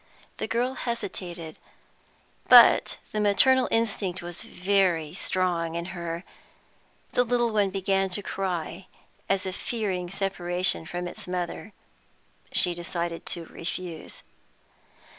The girl hesitated, but the maternal instinct was very strong in her; the little one began to cry, as if fearing separation from its mother; she decided to refuse.